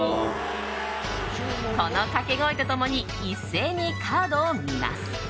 この掛け声と共に一斉にカードを見ます。